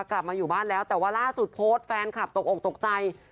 กลับมาอยู่บ้านแล้วแต่ว่าล่าสุดโพสต์แฟนคลับตกอกตกใจ